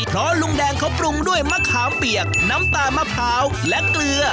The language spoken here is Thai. เพราะลุงแดงเขาปรุงด้วยมะขามเปียกน้ำตาลมะพร้าวและเกลือ